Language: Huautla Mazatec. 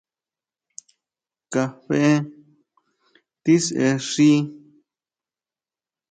Kafé tisexi.